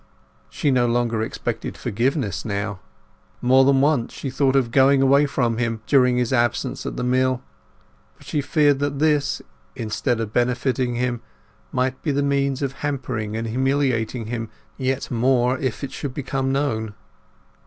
She no longer expected forgiveness now. More than once she thought of going away from him during his absence at the mill; but she feared that this, instead of benefiting him, might be the means of hampering and humiliating him yet more if it should become known.